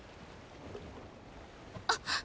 あっ！